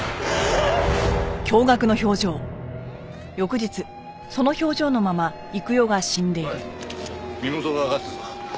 おい身元がわかったぞ。